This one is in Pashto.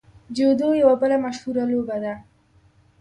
جودو یوه بله مشهوره لوبه ده.